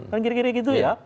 kan kira kira gitu ya